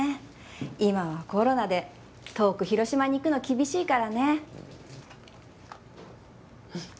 今はコロナで遠く広島に行くの厳しいからね。